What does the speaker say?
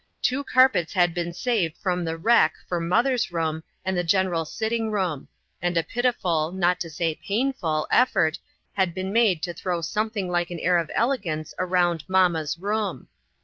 Two carpets had been saved from the wreck for mother's room and the general sitting room ; and a pitiful, not to say painful, effort had been made to throw something like an air of elegance around "mamma's room."